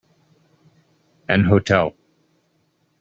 An hotel.